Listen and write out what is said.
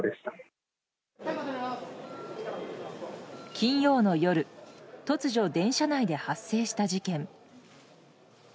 金曜の夜突如、電車内で発生した事件。